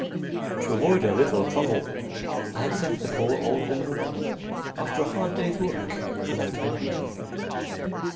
To avoid a little trouble, I had sent the poor old woman away, after a hard day's work, without her money.